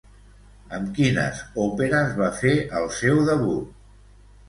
Amb quines òperes va fer el seu debut?